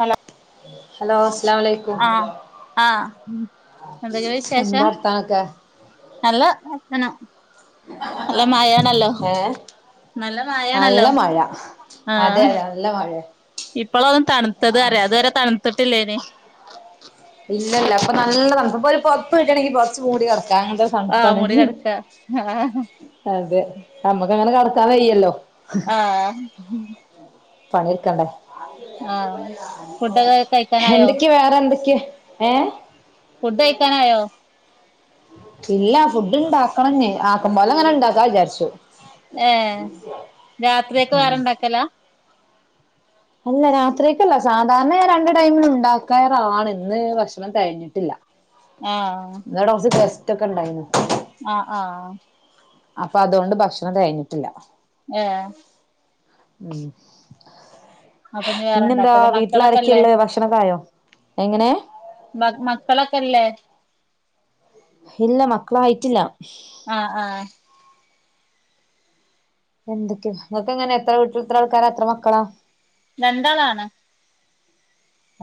Hello hello, അസ്സലാമുഅലൈക്കും. ആഹ് ആഹ് എന്തൊക്കെ എന്താ വിശേഷം വാർത്തനൊക്കെ നല്ല, വർത്താനം നല്ല മഴയാണല്ലോ. ഏഹ് നല്ല, നല്ല മഴയാണല്ലോ മഴ അതെ ആഹ അതെ നല്ല മഴയ ഇപ്പോള, ഒന്നും തണുത്തത് അറിയ അതുവരെ തണുത്തിട്ടിലെന്. ഇല്ല, ഇല്ല, ഇപ്പോ നല്ലതണുപ്പാ, ഇപ്പോരു പുതപ്പ് കിട്ടണങ്കിൽ പുതച് മൂടികിടക്കാം. താൻ എന്താ ആഹ് തണുപ്പാണ് മൂടി കെടക്ക ആഹ് അതെ. നമക്, അങ്ങനെ കടക്കാൻ വേയല്ലോ. ആഹ [inaudible] പണിടുക്കണ്ടേ, ഫുഡൊക്കെ കഴിക്കാനായോ എന്തൊക്കെ വേറെ എന്തൊക്കെ. ഏ ഫുഡ്, കഴിക്കാനായോ. ഇല്ല, ഫുഡ് ഇണ്ടാക്കണം ഇനി അകാംപോലെ, അങ്ങനെ ഇണ്ടാക്ക വിചാരിച്ചു. ഏ, രാത്രിയൊക്കെ ഉം വേറെണ്ടാക്കലാ. അല്ല, രാത്രിക്കല്ല സാധാരണ, രണ്ട് ടൈമിൽ ഉണ്ടാക്കാറാണ്, ഇന്ന് ഭക്ഷണം തിക്കാഞ്ഞിട്ടില്ല. ഇന്ന്, എവിടെ കുറച്ച് ഗസ്റ്റ്‌ ഒക്കെണ്ടായിനു. ആഹ ആഹ് അപ്പൊ, അതുകൊണ്ട് ഭക്ഷണം തിക്കാഞ്ഞിട്ടില്ല. ഏ ഉം അപ്പൊ ഇഞ്ഞ് വേറെ പിന്നെന്താ, ഇണ്ടാക്കലാ വീട്ടില്, ആരൊക്കെയുള്ളത് ഭക്ഷണം ഒക്കെ ആയോ. മക് മക്കളൊക്കെല്ലേ. ഇല്ല, മക്കളായിട്ടില്ല. ആഹ ആഹ എന്തൊക്കെ, ഇങ്ങൾക് എങ്ങനെ എത്ര വീട്ടില്, എത്ര ആൾക്കാരാ, എത്ര മക്കള. രണ്ടാളാണ്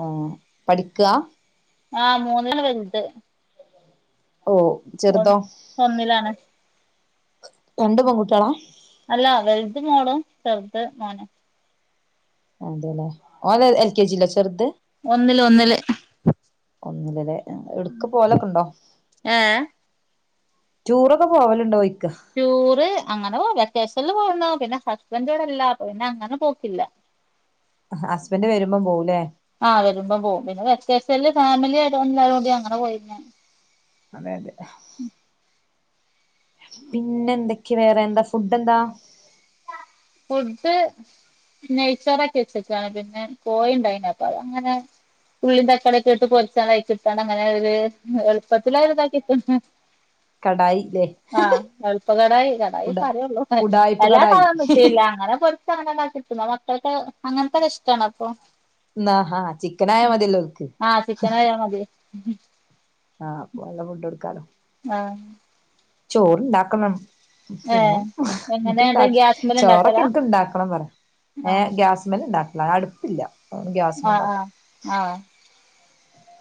ഓം പഠിക്ക ആഹ, മൂന്നില് വലുത്. ഓ ഒ, ചെറുതോ ഒന്നിലാണ്. രണ്ട് പെൺകുട്ടികളാ അല്ല വലുത് മോളും ചെറുത് മോനും അതെല്ലേ, ഓന് എൽ ഒകെ ജിലോ ചെറുത്. ഒന്നില് ഒന്നില് ഒന്നിൽ ലെ എടക്ക് പോലൊക്കെ ഉണ്ടോ ഏഹ് ടൂറൊക്കെ പോവലുണ്ടോയി ടൂർ അങ്ങനെോ വെക്കേേഷനിൽ പോന്നോ പിന്നെ ഹസ്ബന്റോടല്ല പിന്നെ അങ്ങനെ പോക്കില്ല ഹസ്ബൻഡ് വരുമ്പം പോവുംല്ലേ ആഹ വരുമ്പോം പോകും പിന്നെ വെക്കേഷൻ ഫാമിലി ആയിട്ട് എല്ലും അങ്ങനെ പോയിര്ന്ന് അതെ അതെ പിന്നെ എന്തൊക്കെയ വേറെ എന്താ ഫുഡ് എന്താ ഫുഡ്‌ നെയ്ച്ചോറാക്കി വച്ചക്കാണ് കോയി ണ്ടായിനി പിന്നെഅതപ്പോ അങ്ങനെ ഉള്ളീ തക്കാളിയൊക്കെ ഇട്ട് പൊരിച്ചു അത്‌ അയക്കീട്ട് അങ്ങനെ ഒരു എളുപ്പത്തി ആ ഒരു ഇതാക്കിക്ക് ണ് കടായില്ലേ ആഹ് എളുപ്പ കടായി കടായി ഉട സാരേ ഉള്ളൂ ഉടായിപ്പ് എല്ലാ കടായി സാദനവും ഇട്ടീ ല്ല അങ്ങനെ പൊരിച്ചു അങ്ങനെണ്ട കിട്ടുന്ന മക്കൾക്ക് അങ്ങനത്തെ ഇഷ്ടമാണ് അപ്പൊ ന ഹാ ചിക്കനായ മതി ഓല് ക്ക് ആഹ് ഹ് ചിക്കനായാ [unintelligible] ആഹ്പ്പ നല്ല ഫുഡ് കൊടുക്കാലോ ആഹ ചോറുണ്ടാക്കണം പിന്നെ ഏഹ് എനിക്ക ഇണ്ട എങ്ങനെയാട്ട് ഗ്യാസ്മല് ചോറൊക്കെ ഇണ്ടാക്കലാ എനക്ക് ഇണ്ടാക്കണം പറയാ ഏ ആഹ് ഗ്യാസ്മിൽ ഇണ്ടാക്കണം അടുപ്പില്ല അതോണ്ട് ഗ്യാസ്മ ആഹ് ഉണ്ടാക്കും ആഹ് ആഹ്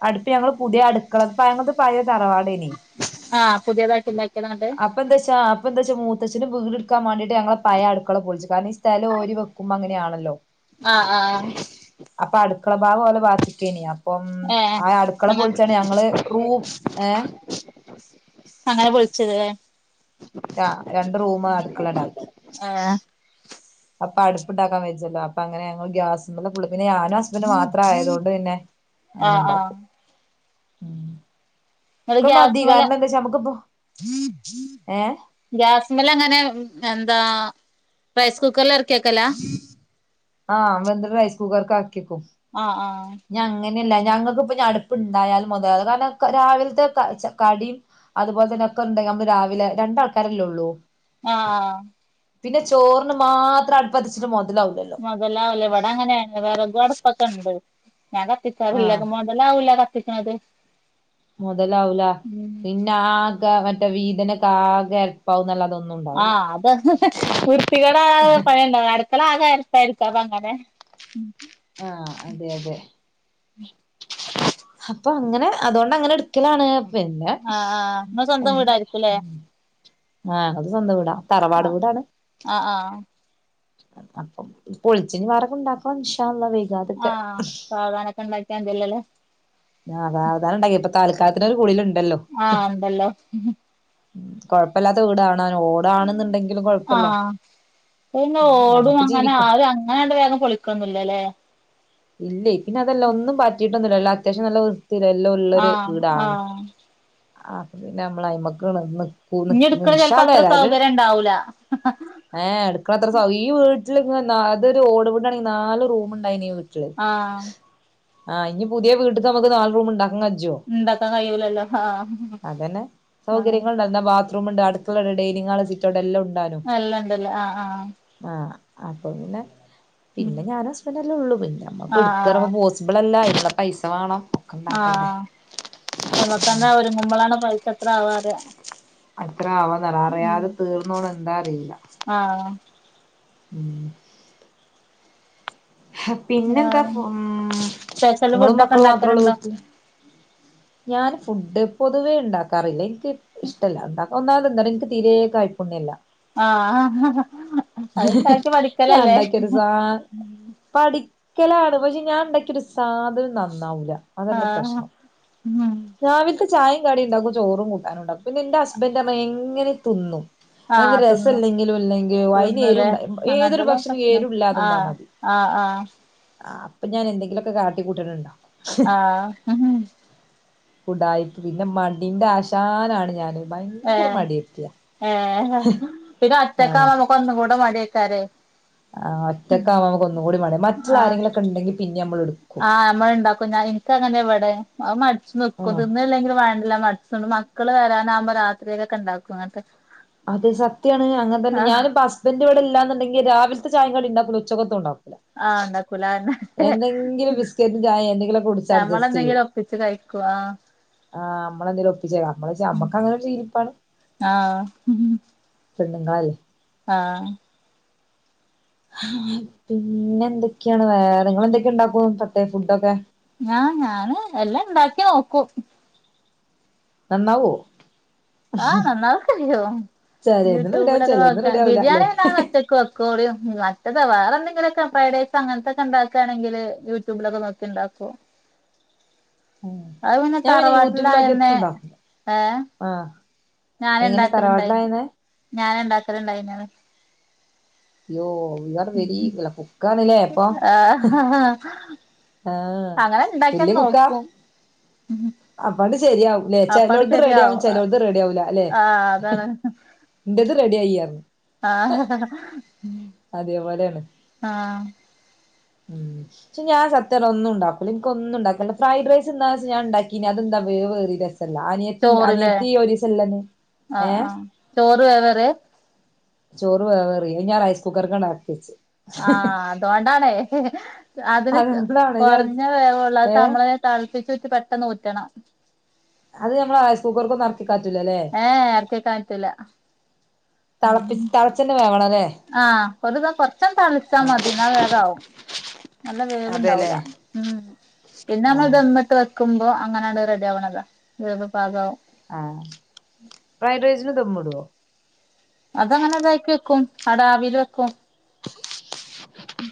അടുപ്പ് ഞങ്ങൾ പുതിയ അടുക്കള [unintelligible] തറവാടേനി ആഹ് പുതിയതായിട്ട് ഇണ്ടാക്കിയതാണ്ട് അപ്പ എന്താച്ചാ അപ്പ എന്താച്ച മൂ മൂത്തച്ഛൻ വീട് ടുക്കാൻ മാണ്ടീട്ട് ഞങ്ങള പഴയ അടുക്കള പൊളിച് കാരണം സ്ഥല ഓരീവെക്കുമ്പോ അങ്ങനാണല്ലോ ആഹ് ആഹ് അപ്പൊ അടുക്കള ഭാഗം ഓലെ ഭാഗത്തിക്കേനി അപ്പം ഏഹ് ആ അടുക്കള അങ്ങ പൊളിച്ചാണ് ഞങ്ങള് റൂം ഏ അങ്ങനെ പൊള്ളിച്ചത് ലെ ആ രണ്ട് റൂമ് അടുക്കളങ്ങട്ടാക്കി ഏഹ് അപ്പൊ അടുപ്പുണ്ടാക്കാൻ വച്ചല്ലോ അപ്പ അങ്ങനെ ഞങ്ങള് ഗ്യാസ്മിൽ ഫുള്ള് പിന്നെ ഞാനും ഹസ്ബൻഡ് മാത്രം ആയതൊണ്ട് പിന്നെ ആഹ് ആഹ് അങ്ങനെണ്ടാക്കും ഉം ക്ക് മതി കാരണെന്തചാ അമ്മക്ക് ഗ്യസ്മിൽ അങ്ങനെ ഉം എന്താ റൈസ് കുക്കറില ഇറക്കിക്കലാ ആഹ അമത് റൈസ് കുക്കർക്കാക്കി ആഹ ആഹ ഞാൻ അങ്ങനെയല്ല ഞങ്ങൾകിപ്പഞ്ഞിടുപ്പ് ഇണ്ടായാലും മുതലാവൂല കാരണം രാവിലത്തെ ചാ കടിം അ അതുപോലെ തന്നെ ഒക്ക ഉണ്ടെ നമ്മ രാവില രണ്ടാ ൾക്കാരല്ലേ ഉള്ളൂ ആഹ പിന്നെ ചോറിന് മാത്രം അട്പ്പത്തിച്ചിട്ട് മൊ മുതലാവലവിടെ അങ്ങനെയ വേറകും അടുപ്പൊക്കെ ഉണ്ട് ഞാക്കത്തിക്കലിലാ ആഹ് മൊതലാവൂല കത്തിച്ചാൽ മുതലാവൂല പിന്നെ ആകെ മറ്റേ വീതനക്കെ ആകെ എരപ്പാവുംനല്ലതൊന്നും ആഹ അത് ഹ്ഹ വൃത്തികടെ പണിണ്ടാവും അടുക്കള ആകെ എരപ്പായിരിക്കും. അതെ ആഹ അതെ അതെ അപ്പൊ അങ്ങനെ അതൊണ്ട് അങ്ങനെ എടുക്കലാണ് പിന്നെ ആഹ് ആഹ് നിങ്ങളെ സ്വന്തം അങ്ങനെ വീടായിരിക്കുംല്ലേ [unintelligible] ആഹ അത് സ്വന്തം വീടാ തറവാട് ആഹ് വീടാണ് ആഹ് ആഹ് അപ്പം പൊളിച്ചിനി വേറോക്കെ ഇണ്ടാക്കാണം ഇന്ഷാ ആഹ് സാവനാനൊക്കെ ഉണ്ടാക്കിയാന്തല്ലല്ലേ അതാ അതാ ഉണ്ടായെ ഇപ്പം താൽക്കാലത്തിന് ഒരു ഗുളിക ണ്ടടി ആഹ എന്തല്ലോ. കൊഴപ്പില്ലാത്ത വീടാണെനു, ഓടാണന്നുണ്ടെങ്കിലും കൊഴപ്പല്ല. ഇന്ന് ഓടും ഞമ്മക്ക് അങ്ങനെ ജീവിക്കാ ആരും അങ്ങനെ വേഗം പൊളിക്കന്നൊല്ലല്ലേ.. ഇല്ലേ പിന്നെ അതല്ല ഒന്നും പറ്റിട്ടൊന്നുല്ല നല്ല അത്യാവശ്യം നല്ല വൃത്തി തിരല്ല ഉള്ളരു ആഹ് വീടാണ് ആഹ് അപ്പൊ പിന്നെ അയിലമ്മഴക്ക്. ഇഞ്ഞി ന്ന് എടുക്കണ ചെലപ്പോ ഇന്ശാള്ള അത്ര ഏതായിട്ട സൗകര്യം ഉണ്ടാവൂല ഏ അടുക്കളളത്ര സൗ. ട്ടില് ഇങ്ങനെ ഒരു ഓടവിടണെങ്കിൽ നാൽ റൂമിണ്ടായിനി. ആഹ. ആഹ് ഇനി പുതിയ വീട്ടിക്കമക്ക് നാൽ റൂം ഇണ്ട. ജോ ഇണ്ടാക്കാൻ കഴിയൂലല്ലോ ആഹ് അതന്നെ ആഹ് സൗകര്യങ്ങള്ളിണ്ട് ബാത്രൂംമനെ. ഉണ്ട് അടുക്കളണ്ട് ഡൈനിങ് ഹാൾ സിറ്റൗട് എലൊണ്ട്. നല്ലണ്ടല്ലേ ആഹ് ആഹ്. ആഹ് അപ്പൊ പിന്നെ ഉം പിന്നെ ഞാൻ ഹസ്ബന്ഡല്ലേ ഉള്ളൂ പിന്നെ നമ്മക്ക് എടുക്കറ ആഹ് പോസിബിൾ. അല്ല എവിടെ പൈസ വേണോ. ആഹ് എവ്വക്കാണ്ട ഒരുങ്ങുമ്പളാണ് പൈസ എത്ര ആവാറിയ എത്ര ആവോന്നറ അറിയാതെ തീർന്നോണ് എന്താ അറിയില്ല ആഹ് ഉം ഹ വേറെ പിന്നെന്താപ്പോ ഉം സ്പെഷ്യൽ നിങ്ങളും ഫുഡ് ഒക്കെ മക്കളും മാത്രൊള്ളൂ ഇണ്ടാക്കലുണ്ടോ വീട്ടില് ഞാന് ഫുഡ് പൊതുവേ ഇണ്ടാക്കാറില്ല എനിക്ക് ഇഷ്ടല്ല ഇണ്ടാക്ക് ഒന്നാമതെന്താറിയോ എനിക്ക് തീരേ കൈപ്പുണ്യില്ല ആഹ അതുണ്ടാക്കി ഞാൻ പഠിക്കലല്ലേ ഉണ്ടാക്കിയൊരു സാ പഠിക്കലാണ് പക്ഷെ ഞാൻ ഇണ്ടാക്കിയാ ഒരു സാധനോം നന്നാവൂല അതാൻ്റെ ആഹ് പ്രശ്നം ഉം രാവിൽത്തെ ചായേം കടീം ഇണ്ടാക്കും ചോറും കൂട്ടാനും ഉണ്ടാക്കും പിന്ന എൻ്റെ ഹസ്ബൻ്റമ്മ എങ്ങനേ തിന്നും അതിന്നി ആഹ് തിന്നും രസില്ലെങ്കിലും ഇല്ലെങ്കി തിന്നുല്ലേ വയിനെരുണ്ട മ ഏതൊരു ഭക്ഷണം എരുല്ലാത തിന്നാ മതി അ ആഹ് ആഹ് അപ്പൊ ഞാനെന്തെങ്കിലൊക്കെ കാട്ടി കൂട്ടണ് ണ്ടാ ആഹ് ഉടായിപ്പ് പിന്ന മടിൻ്റാശാനാണ് ഞാന് ഭയങ്കര ഏഹ് മടിയത്തിയാ ഏഹ് പിന്ന ആഹ് ഒറ്റക്കാവുമ്പ നമ്മക്കൊന്നും കൂട മടിയായിക്കാരേ ആഹ് ഒറ്റക്കാവുമ്പ നമക്കൊന്നും കൂടി മടിയ ആഹ് മറ്റുള്ളാരെങ്കിലൊക്കെണ്ടെങ്കി പിന്നീ യമ്മളെടുക്കും ആഹ് നമ്മള്ണ്ടാക്കും ഞാ എനിക്കങ്ങനേ ഇവടെ അ മടിച്ച് നിക്കും ആഹ് തിന്നില്ലെങ്കിലും വേണ്ടില്ല മടിച്ച്ണ്ട് മാ മക്കള് വരാനാവുമ്പ രാത്രിയിലേക്കെണ്ടാക്കും അങ്ങൻത്തെ അത് സത്യാണ് അങ്ങൻ തന്നെ ഞാനിപ്പ ഹസ്ബൻഡിവടെ ഇൽ ല്ലാന്ന്ണ്ടെങ്കി രാവിൽത്തെ ചായേം കടീം ഇണ്ടാക്കൂല ഉച്ചക്കത്ത ഒണ്ടാക്കും ആഹ് ഇണ്ടാക്കൂല അ അന്നെ ബിസ്ക്കറ്റും ചായ എന്തെങ്കിലുമൊക്കെ കുടിച്ച് അഡ്ജസ്റ്റ് ചെയ്യും നമ്മളെന്തെങ്കിലൊപ്പിച്ച് കഴിക്ക് ക്കുവാ ആഹ് നമ്മളെന്തേലും ഒപ്പിച്ചേ നമ്മളച്ചാ നമ്മക്കങ്ങനൊരു ശീലിപ്പാണ് ആഹ് പെണ്ണ്ങ്ങളായി ആഹ് [unintelligible] പിന്നെന്തൊക്കെയാണ് വേറെ ങ്ങളെന്തൊക്കെ ഇണ്ടാക്കും പ്രത്യേം ഫുഡൊക്കെ ഞാ ഞാന് എല്ലാം ഇണ്ടാക്കി നോക്കും നന്നാവോ ആഹ് നന്നാവൊക്ക ചെയ്യും ചെലേന്ന് റെഡിയാവും യൂട്യൂബിലൊക്ക ചെലേന്ന് നോക്ക റെഡിയാവൂല അല്ലെ ബിരിയാണി ഞാനൊറ്റക്ക് വെക്കും കോഴിയും മറ്റത് വേറെന്തെങ്കിലൊക്കെ ഫ്രൈഡ് റൈസങ്ങനത്തെക്കെണ്ടാക്ക് ആണെങ്കില് യൂട്യൂബിലൊക്ക നോക്കിണ്ടാക്കൂ ഉം അത് പിന്നെ തറവാട്ടിലായന്നെ ഏഹ് ആഹ് എങ്ങനെ ഞാനിണ്ടാക്കല്ണ്ടായിന് തറവാട്ടിലായിരുന്നേ ഞാനാ ഇണ്ടാക്കല്ണ്ടായിനറ യോ ഇങ്ങള് വെരി നല്ല കുക്കാണ്ല്ലേ അപ്പൊ ആഹ് ആഹ് അങ്ങനെ ഇണ്ടാക്കിയാ വല്യ കുക്കാ നോക്കും അപ്പാണ്ടിസ് ശരിയാവുംലേ അപ്പാട് ചെലോൽത് റെഡിയാവും ശരിയാവും ചെലോൽത് റെഡി ആവൂല അല്ലേ ആഹ് അതാണ് എൻ്റത് റെഡിയായീയറഞ്ഞ് ആഹഹഹ അതേപോലെയാണ് ആഹ് ഉം ക്ഷെ ഞാൻ സത്യടോ ഒന്നും ഉണ്ടാക്കൂല എനിക്കൊന്നും ഇണ്ടാക്കണ്ട ഫ്രൈഡ് റൈസ് ഇന്നാളൊരൂസം ഞാൻ ഉണ്ടാക്കീന് അതെന്താ വ് വേവേറീലേ അല്ല അനിയത്തിണ്ട് ചോറില്ലേ അനിയത്തി ഒരീസല്ലെന് ആഹ് ഏഹ് ആഹ് ചോറ് വേവറ് ചോറ് വേവേറി അയ് ഞാൻ റൈസ് കുക്കറ്ക്കാണ്ടെറക്കി വെച്ച് ആഹ് അതോണ്ടാണേ അതിന് അതോണ്ടാണ് രസം കൊറഞ്ഞ ഏഹ് വേവൊള്ളതമ്മള് തെൾപ്പിച്ചൂറ്റി പെട്ടെന്നൂറ്റണം അത് നമ്മള റൈസ് കുക്കർക്കൊന്നെറക്ക് ഏഹ് എറക്കി വെക്കാൻ പറ്റൂല തെളപ്പിച്ച് തെളച്ചന്ന വേ ആഹ് ഒന്ന് ദാ കുറച്ചൊന്ന് തെളച്ചാ മതി എന്നാ വേഗാവും നല്ല അതെല്ലേ വേവ്ണ്ടാവൂല ഉം പിന്നെ നമ്മള് ആഹ് ദമ്മിട്ട് വെക്ക് വക്കുമ്പോ അങ്ങനെയാണ് റെഡി ആവണതാ ഇത പാകവും ആഹ ഫ്രൈഡ് റൈസിന് ദമ്മിടുവോ അതങ്ങനെ ഇതക്ക് വെക്കും അടാവിൽ വെക്കും ഉം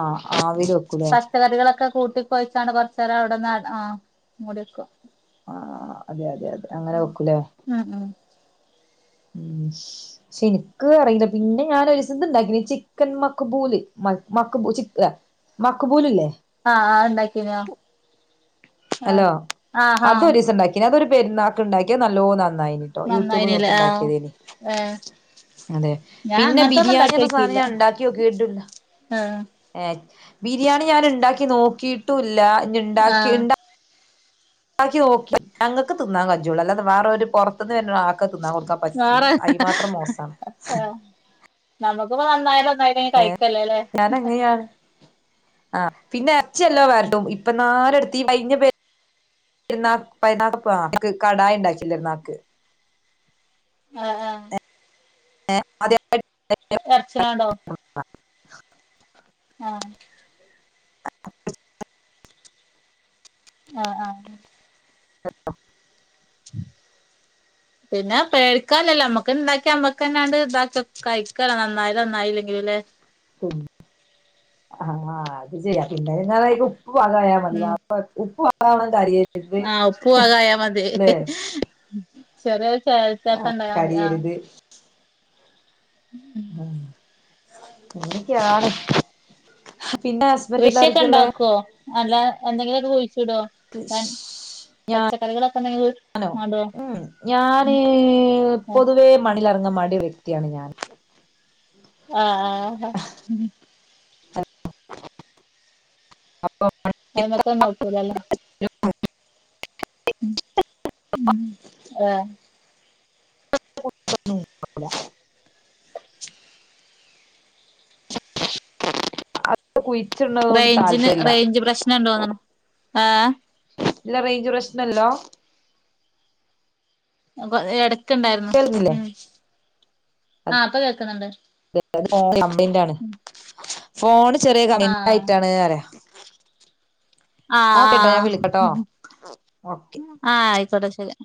ആഹ് ആവിയിൽ പച്ചക്കറികളൊക്കെ കൂട്ടിൊകൊയിച്ചാണ് കുറച്ച നേരം അവിടെന്ന് ആ മുടി വക്കും ആ അതെ അതെ അതെ അങ്ങനെ വെക്കൂലേ ഉം ഉം ഉ പക്ഷെ എനിക്ക് അറിയില്ല പിന്നെ ഞാൻ ഒരുസ ഇണ്ടാക്ക ചിക്കൻ മക്ബൂല് മ മക്ക് പോലല്ലേ ആഹ് ആഹ് ഇണ്ടാക്കീനോ ആഹ് അല്ലോ ആഹാ അതൊ ദിവസം ഉണ്ടാക്ക അതൊരു പെരുന്നാക്ക് ഉണ്ടാക്കിയ നല്ലോ നന്നായിനി ട്ടോ യൂട്യൂബ് നന്നായിനില്ലേ ആഹ് നോക്കിണ്ടാക്കിയതേ ഏഹ് അതെ ഞാൻ പിന്നെ അങ്ങനത്തൊന്നും ബിരിയാണി എന്ന സാധനം ഇണ്ടാക്കിയോക്കിയില്ല ഞാൻ ഉണ്ടാക്കി നോക്കിട്ടില്ല ആഹ് ഏ ബിരിയാണി ഞാൻ ഉണ്ടാക്കി നോക്കിട്ടുംല്ല ഇ ആഹ് ഉണ്ടാക്കിണ്ട ബാക്കി ഓക്കെ ഞങ്ങൾക്ക് തിന്നാൻ കജെജോളൂ അല്ലാത വേറെ ഒരു പുറത്തുന്ന് വ ആക്ക തിന്നാൻ കൊടുക്കാൻ പറ്റൂല വേറെ അയി മാത്രം മോശമാണ് നമ്മുക്കിപ്പ നന്നായിട്ട് നന്നായിട്ട് കഴിക്കല്ലേല്ലേ ആ പിന്നെ ഇറച്ചില്ലോ വരട്ടും ഇപ്പൊ നാലടുത്ത് കടായ ഉണ്ടാക്കി പെരുന്നാക്ക് ആഹ ആഹ ഏ അതെ എർച്ചനാണ്ടോ ആഹ ആ ആഹ ആഹ പിന്നെ പേടിക്കാലല്ലേ അമ്മക്ക് ഇണ്ടാക്കി അമ്മക്കന്നാണ്ട് ഇതാക്കി കഴിക്കല നന്നായാല നന്നായില്ലെങ്കിലും അല്ലേ ആ അത് ചെയ്യാം പിന്നെങ്ങാലായിക്കും ഉപ്പ് പാകായാൽ മതി അ ഉപ്പ വാകണം കാര്യ ആഹ ഉപ്പ പാകായ മതി ശരി [unintelligible] ഉണ്ടായൽ മതി ആ കരിയരുത് അങ്ങനെ ഒക്കെ ആണ് കൃഷിയൊക്കെ ഉണ്ടാക്കുവോ നല്ല എന്തെങ്കിലും അത് കുഴിച്ചുടോ ഞാനോ ഞാൻ പൊതുവേ മണിലിറങ്ങ [unintelligible] വ്യക്തിയാണ് ഞാൻ ആഹ് ആഹ് [unintelligible] നോക്കൂലല്ലോ ഉം ആ [inaudible] കുയ്ച്ച്ണോണ്ട് റേഞ്ചിന് റേഞ്ച് പ്രശ്നം ഉണ്ടോന്നണ് [unintelligible] ഇല്ല റേഞ്ച് പ്രശ്നല്ല എടക്ക്ണ്ടായിര്ന്നു കേൾക്കുന്നില്ലേ ഉം ആ അത് പ്പൊ കേക്ക്ന്ന്ണ്ട് [unintelligible] ഫോൺ ചെറിയ [unintelligible] ആഹ് ആയിട്ടാണ് ആ ഓക്കെട്ടോ ഞാൻ വിളിക്കട്ടോ ഓക്കെ ആ ആ അയ്ക്കോട്ടെ ശെരി